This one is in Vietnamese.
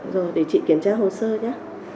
rồi để chị kiểm tra hồ sơ nhé